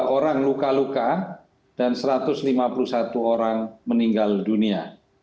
tiga orang luka luka dan satu ratus lima puluh satu orang meninggal dunia